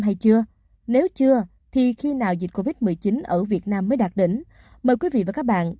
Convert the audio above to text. hay chưa nếu chưa thì khi nào dịch covid một mươi chín ở việt nam mới đạt đỉnh mời quý vị và các bạn